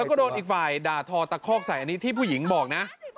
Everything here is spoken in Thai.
แล้วก็โดนอีกฝ่ายด่าทอตะคอกใส่อันนี้ที่ผู้หญิงบอกนะ